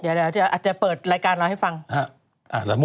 เขาอาจจะเปิดรายการเราให้ฟังอ่ะลำบุ๊บ